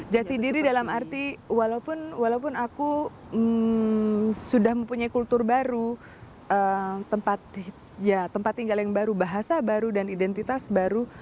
jati diri dalam arti walaupun aku sudah mempunyai kultur baru tempat tinggal yang baru bahasa baru dan identitas baru